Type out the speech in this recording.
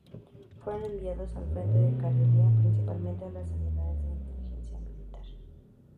Fueron enviados al frente de Carelia, principalmente a las unidades de inteligencia militar.